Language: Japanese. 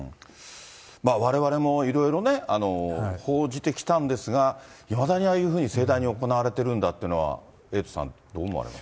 われわれもいろいろね、報じてきたんですが、いまだにああいうふうに盛大に行われているんだというのはエイトさん、どう思われます？